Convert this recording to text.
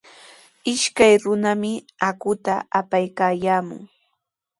Ishkay runami aquta apaykaayaamun.